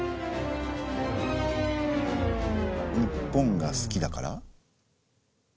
日本が好きだから？